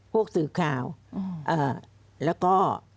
ผู้สื่อข่าวแล้วก็